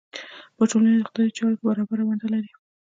په ټولنیزو او اقتصادي چارو کې برابره ونډه لري.